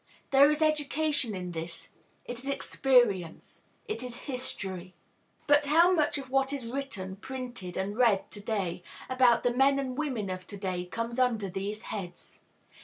There is education in this; it is experience, it is history. But how much of what is written, printed, and read to day about the men and women of to day comes under these heads?